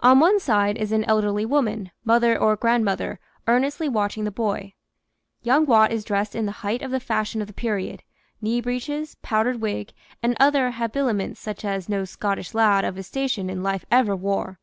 On one side is an elderly woman (mother or grandmother) earnestly watching the boy. Young Watt is dressed in the height of the fashion of the period knee breeches, powdered wig, and other habiliments such as no Scottish lad of his station in life ever wore.